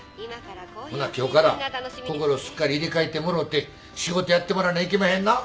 ほな今日から心すっかり入れ替えてもろうて仕事やってもらわないけまへんな。